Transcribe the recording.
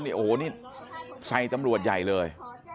โอ้โหนี่ใส่ตำรวจใหญ่เลย